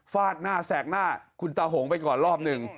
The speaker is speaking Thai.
ฟาดหน้าแสกหน้าคุณตาหงไปก่อนรอบหนึ่ง